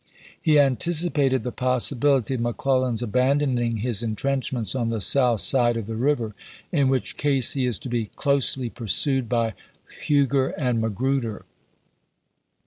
He antici pated the possibility of McClellan's abandoning his intrenchments on the south side of the river, in which case he is to be " closely pursued " by Huger and Magruder.